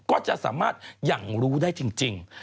ก็จะสามารถอย่างรู้ได้จริง